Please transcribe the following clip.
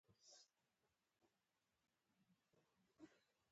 هر لیکوال او هنرمند په خپلو اثرو کې خپله سوانح لیکي.